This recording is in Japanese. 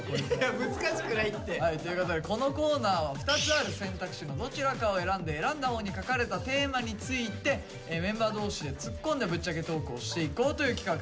ということでこのコーナーは２つある選択肢のどちらかを選んで選んだ方に書かれたテーマについてメンバー同士で突っ込んだぶっちゃけトークをしていこうという企画でございます。